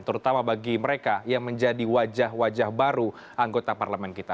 terutama bagi mereka yang menjadi wajah wajah baru anggota parlemen kita